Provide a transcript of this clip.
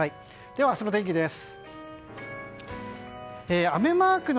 では明日の天気です。